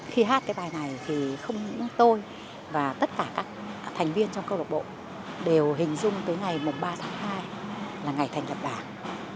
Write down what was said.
khi hát cái bài này thì không những tôi và tất cả các thành viên trong câu lạc bộ đều hình dung tới ngày ba tháng hai là ngày thành lập đảng